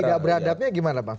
tidak beradabnya gimana pak